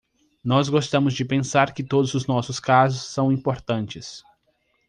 Nós gostamos de pensar que todos os nossos casos são importantes.